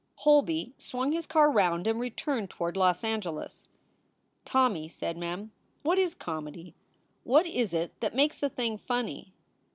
Holby swung his car round and returned toward Los Angeles. "Tommy," said Mem, "what is comedy? What is it that makes a thing funny?"